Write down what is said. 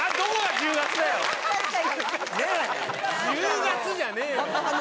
「１０月」じゃねえよ！